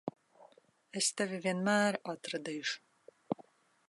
Es tevi vienmēr atradīšu.